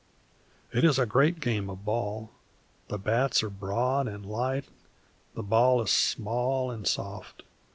It is a great game of ball; the bats are broad and light, and the ball is small and soft.